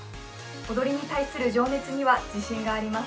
踊りに対する情熱には自信があります。